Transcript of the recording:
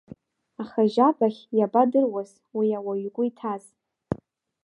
Аха Жьабаӷь иабадыруаз уи ауаҩ игәы иҭаз!